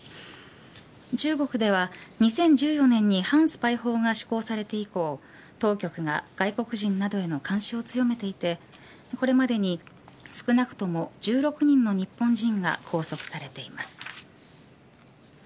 中国では２０１４年に反スパイ法が施行されて以降当局が外国人などへの監視を強めていてこれまでに少なくとも１６人の日本人が拘束されています。